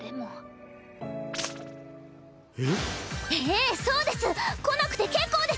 ええそうです来なくて結構です。